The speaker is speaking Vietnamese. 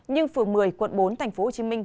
nhưng phường một mươi quận bốn tp hcm